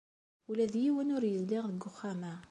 Ula d yiwen ur yezdiɣ deg uxxam-a.